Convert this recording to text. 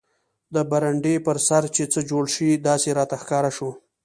د برنډې پر سر چې څه جوړ شي داسې راته ښکاره شو.